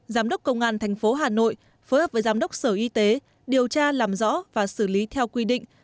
giám đốc công an tp hà nội phối hợp với giám đốc sở y tế điều tra làm rõ và xử lý theo quy định